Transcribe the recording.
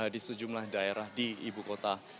di sejumlah daerah di ibu kota